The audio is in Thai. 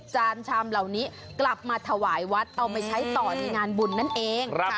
จานชามเหล่านี้กลับมาถวายวัดเอาไปใช้ต่อในงานบุญนั่นเอง